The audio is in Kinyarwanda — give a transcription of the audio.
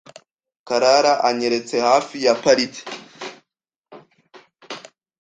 Karara anyeretse hafi ya parike.